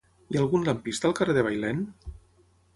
Hi ha algun lampista al carrer de Bailèn?